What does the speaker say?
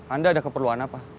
anda ada keperluan apa